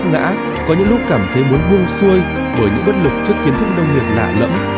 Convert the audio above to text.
những bước đi đầu tiên có gốc ngã có những lúc cảm thấy muốn buông xuôi bởi những bất lực trước kiến thức nông nghiệp lạ lẫm